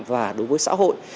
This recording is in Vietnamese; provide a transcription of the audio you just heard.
và đối với xã hội